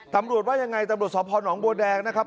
ตำรวจว่ายังไงตำรวจสพนบัวแดงนะครับ